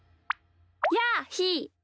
やあひー。